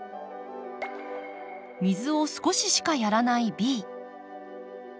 水を少ししかやらないＢ。